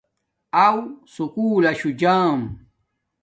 اَو سکُول لشو جام